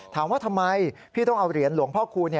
ถามว่าทำไมพี่ต้องเอาเหรียญหลวงพ่อคูณ